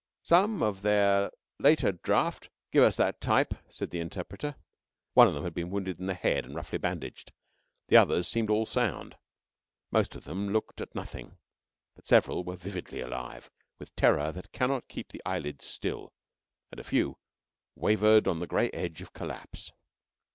"Some of their later drafts give us that type," said the Interpreter. One of them had been wounded in the head and roughly bandaged. The others seemed all sound. Most of them looked at nothing, but several were vividly alive with terror that cannot keep the eyelids still, and a few wavered on the grey edge of collapse.